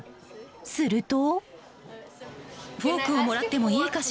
すると。